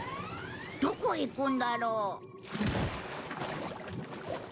どこへ行くんだろう？